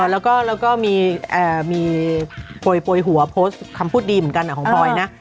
แล้วก็มีโปรยหัวโพสต์คำพูดดีเหมือนกันของปอยนะ